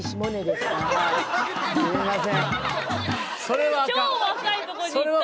それはあかん。